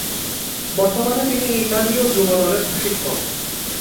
বর্তমানে তিনি ইতালীয় যুব দলের প্রশিক্ষক।